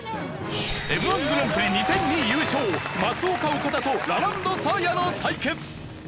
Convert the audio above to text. Ｍ−１グランプリ２００２優勝ますおか岡田とラランドサーヤの対決。